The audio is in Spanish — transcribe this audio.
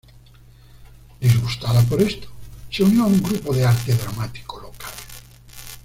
Disgustada por esto, se unió a un grupo de arte dramático local.